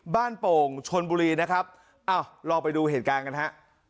โป่งชนบุรีนะครับอ้าวลองไปดูเหตุการณ์กันฮะ